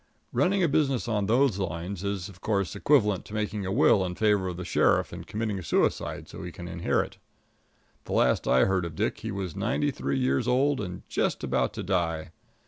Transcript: Running a business on those lines is, of course, equivalent to making a will in favor of the sheriff and committing suicide so that he can inherit. The last I heard of Dick he was ninety three years old and just about to die.